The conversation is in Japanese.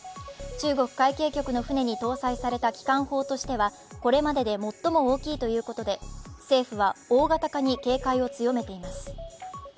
中国海警局の船に搭載された機関砲としてはこれまでで最も大きいということで、政府は大型化に警戒を強めています。